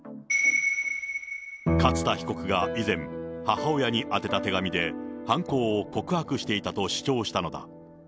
勝田被告が以前、母親に宛てた手紙で、犯行を告白していたと主張したのだ。